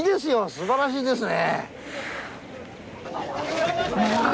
素晴らしいですね。